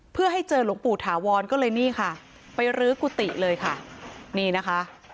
เพื่อให้เจอหลวงปู่ถาวรก็เลยนี่ค่ะไปรื้อกุฏิเลยค่ะนี่นะคะ